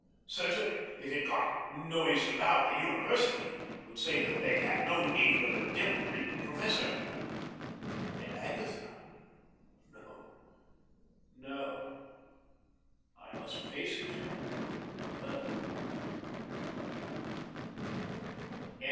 Certainly, if it got noised abroad, the university would say that they had no need of a devil ridden professor. And Agatha! No, no, I must face it alone.